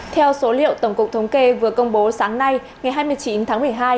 theo số liệu tổng cục thống kê vừa công bố sáng nay ngày hai mươi chín tháng một mươi hai